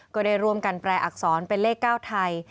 ก็ได้ร่วมกันแปลอักษรเป็นเลข๙ไทย